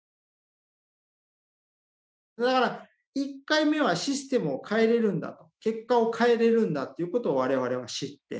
だから１回目はシステムを変えれるんだと結果を変えれるんだっていうことを我々は知って。